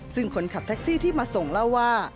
ซึ่งคนขับแท็กซี่ที่มาส่งเล่าว่า